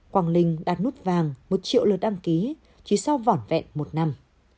quang linh đạt nút vàng một triệu lượt đăng ký chỉ sau vỏn vẹn một năm